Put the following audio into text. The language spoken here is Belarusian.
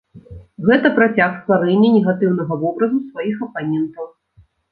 Гэта працяг стварэння негатыўнага вобразу сваіх апанентаў.